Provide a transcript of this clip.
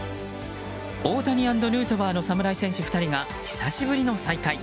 大谷＆ヌートバーの侍戦士２人が久しぶりの再会。